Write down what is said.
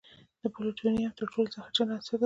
د پلوتونیم تر ټولو زهرجن عنصر دی.